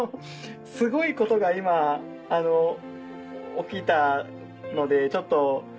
すごいことが今起きたのでちょっと。